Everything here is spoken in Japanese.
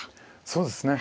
そうですね。